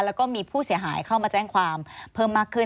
แล้วก็มีผู้เสียหายเข้ามาแจ้งความเพิ่มมากขึ้น